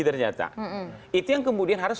ternyata itu yang kemudian harus